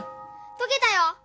解けたよ